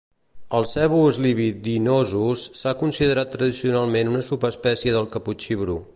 El "cebus libidinosus" s'ha considerat tradicionalment una subespècie del caputxí bru.